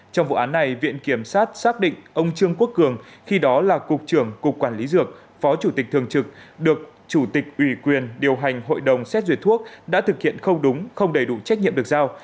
trong vụ án này viện kiểm sát xác định ông trương quốc cường khi đó là cục trưởng cục quản lý dược phó chủ tịch thường trực được chủ tịch ủy quyền điều hành hội đồng xét duyệt thuốc đã thực hiện không đúng không đầy đủ trách nhiệm được giao